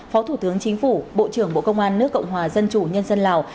phó thủ tướng chính phủ bộ trưởng bộ công an nước cộng hòa dân chủ nhân dân lào